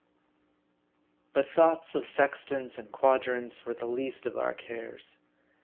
BUT thoughts of sextants and quadrants were the least of our cares.